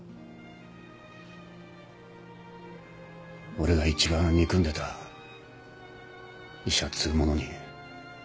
俺がいちばん憎んでた医者っつうものに。